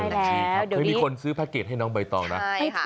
เคยมีคนซื้อแพ็คเกจให้น้องใบตองนะใช่ค่ะ